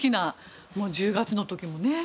もう１０月の時もね。